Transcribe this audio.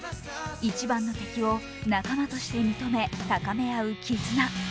一番の敵を仲間として認め高め合う絆。